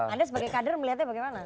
bagaimana kader melihatnya